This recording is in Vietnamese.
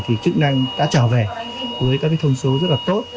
thì chức năng đã trở về với các thông số rất là tốt